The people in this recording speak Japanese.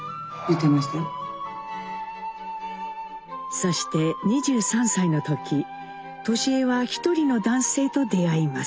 そして２３歳の時智江は一人の男性と出会います。